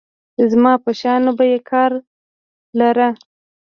زما په شيانو به يې کار لاره.